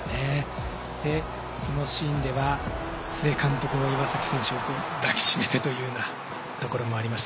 そのシーンでは須江監督の岩崎選手を抱きしめてというようなところもありました。